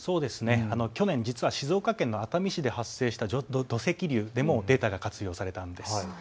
去年、実は静岡県の熱海市で発生した土石流でもデータが活用されたんです。